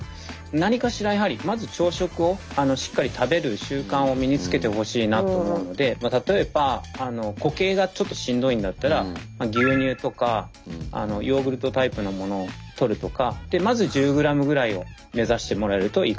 何かしらやはりまず朝食をしっかり食べる習慣を身につけてほしいなと思うので例えば固形がちょっとしんどいんだったら牛乳とかヨーグルトタイプのものをとるとかまず１０ｇぐらいを目指してもらえるといいかなと思います。